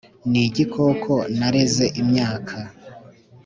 Ni igikoko nareze imyaka